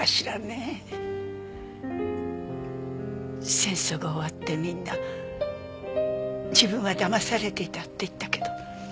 戦争が終わってみんな自分はだまされていたって言ったけど。